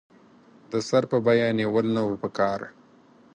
د سر په بیه نېول نه وو پکار.